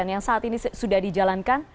yang saat ini sudah dijalankan